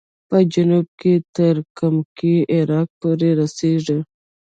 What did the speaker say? په جنوب کې تر کمکي عراق پورې رسېږي.